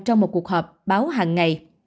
trong một cuộc họp báo hàng ngày